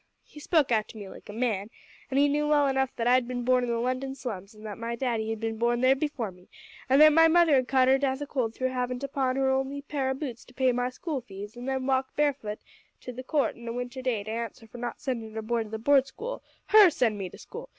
He spoke out to me like a man, an' he knew well enough that I'd bin born in the London slums, an' that my daddy had bin born there before me, an that my mother had caught her death o' cold through havin' to pawn her only pair o' boots to pay my school fees an' then walk barefutt to the court in a winter day to answer for not sendin' her boy to the board school her send me to school!